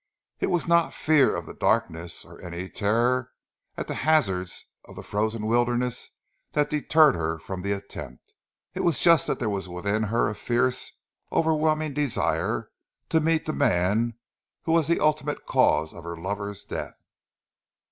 It was not fear of the darkness or any terror at the hazards of the frozen wilderness that deterred her from the attempt; it was just that there was within her a fierce, overwhelming desire, to meet the man who was the ultimate cause of her lover's death.